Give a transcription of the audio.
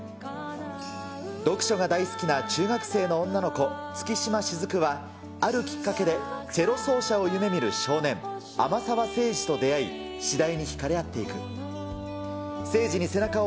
読書が大好きな中学生の女の子、月島雫は、あるきっかけで、チェロ奏者を夢みる少年、天沢聖司と出会い、次第に引かれ合っていく。